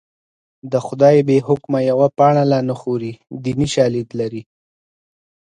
د خدای بې حکمه یوه پاڼه لا نه خوري دیني شالید لري